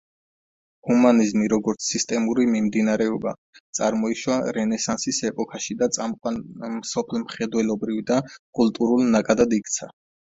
ჰუმანიზმი როგორც სისტემური მიმდინარეობა, წარმოიშვა რენესანსის ეპოქაში და წამყვან მსოფლმხედველობრივ და კულტურულ ნაკადად იქცა.